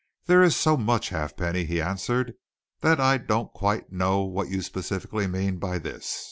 "There is so much, Halfpenny," he answered, "that I don't quite know what you specifically mean by this.